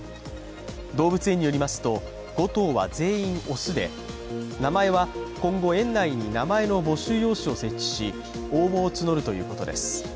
動物園によりますと、５頭は全員雄で名前は今後、園内に名前の募集用紙を設置し応募を募るということです。